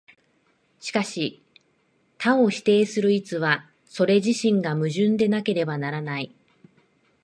しかし多を否定する一は、それ自身が矛盾でなければならない。